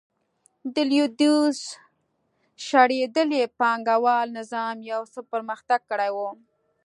د لوېدیځ شړېدلي پانګوال نظام یو څه پرمختګ کړی و.